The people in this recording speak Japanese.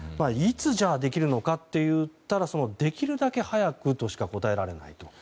じゃあいつできるのかといったらできるだけ早くとしか答えられないと。